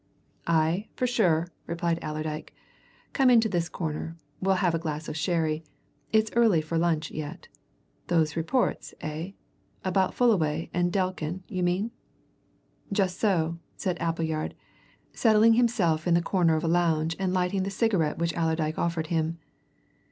"Aye, for sure," replied Allerdyke. "Come into this corner we'll have a glass of sherry it's early for lunch yet. Those reports, eh? About Fullaway and Delkin, you mean?" "Just so," said Appleyard, settling himself in the corner of a lounge and lighting the cigarette which Allerdyke offered him.